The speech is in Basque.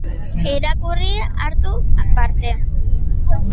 Irakurri eta hartu parte!